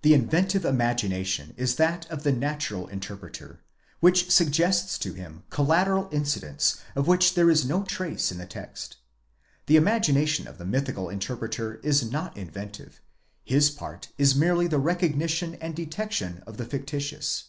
(The inventive imagination is that of the natural interpreter, which suggests to him collateral incidents of which there is no trace in the text. The imagination of the mythical interpreter is not inventive ; his part is merely the recognizing and detecting of the fictitious.)